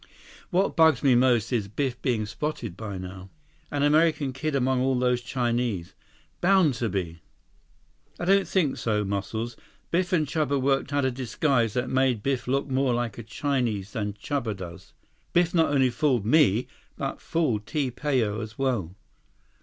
"What bugs me most is Biff being spotted by now. An American kid among all those Chinese—bound to be!" "I don't think so, Muscles. Biff and Chuba worked out a disguise that made Biff look more like a Chinese than Chuba does. Biff not only fooled me, but fooled Ti Pao as well."